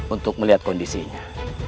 untuk melihat kondisinya